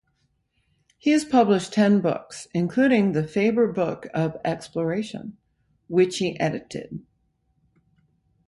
He has published ten books, including the "Faber Book of Exploration", which he edited.